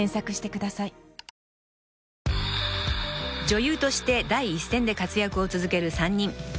［女優として第一線で活躍を続ける３人］